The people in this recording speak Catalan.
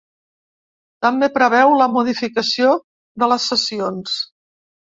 També preveu la modificació de les sessions.